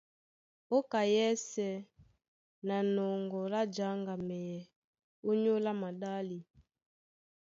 Ó ka yɛ́sɛ̄ na nɔŋgɔ lá jáŋgamɛyɛ ónyólá maɗále,